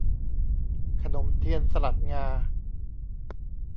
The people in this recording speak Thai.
ขนมเทียนสลัดงา